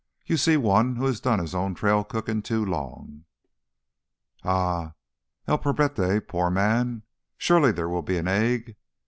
"You see one who has done his own trail cooking too long." "Ah—el pobrete—poor man! Surely there will be an egg!"